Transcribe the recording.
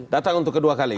datang untuk kedua kali